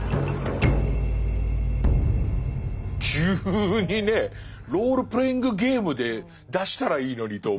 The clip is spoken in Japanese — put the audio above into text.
急にねロールプレイングゲームで出したらいいのにと思うような。